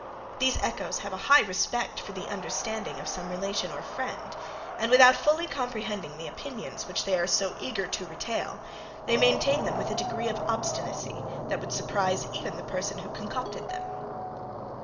These echoes have a high respect for the understanding of some relation or friend, and without fully comprehending the opinions, which they are so eager to retail, they maintain them with a degree of obstinacy, that would surprise even the person who concocted them.